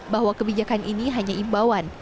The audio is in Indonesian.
bahwa kebijakan ini hanya imbauan